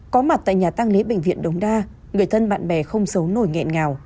có mặt tại nhà tang lễ bệnh viện đồng đa người thân bạn bè không xấu nổi nghẹn ngào